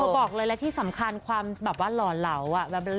บอกเลยและที่สำคัญความแบบว่าหล่อเหลา